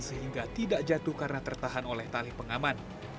sehingga tidak jatuh karena tertahan oleh tali pengaman